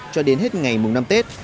cho đến hết ngày mùng năm tết